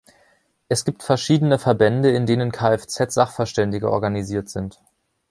Es gibt verschiedene Verbände, in denen Kfz-Sachverständige organisiert sind.